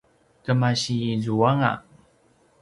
kemasi zuanga